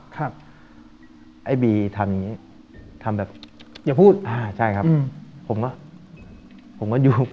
ไอ้บีทำอย่างงี้ทำแบบอย่าพูดอ่าใช่ครับผมก็ผมก็ยุบ